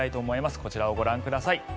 こちらをご覧ください。